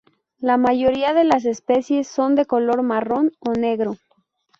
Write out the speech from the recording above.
La mayoría de las especies son de color marrón o negro.